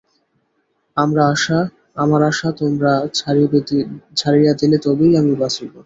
আমার আশা তোমরা ছাড়িয়া দিলে তবেই আমি বাঁচিব।